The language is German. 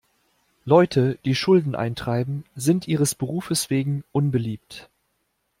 Leute, die Schulden eintreiben, sind ihres Berufes wegen unbeliebt.